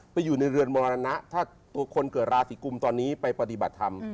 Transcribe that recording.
อยู่ในเรือนมรณะถ้าตัวคนเกิดราศีกุมตอนนี้ไปปฏิบัติธรรม